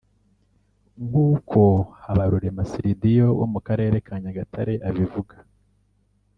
nk’uko Habarurema Syldio wo mu karere ka Nyagatare abivuga